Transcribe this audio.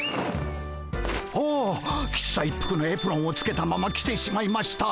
ああ喫茶一服のエプロンをつけたまま来てしまいました。